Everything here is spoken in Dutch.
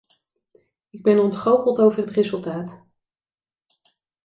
Ik ben ontgoocheld over het resultaat.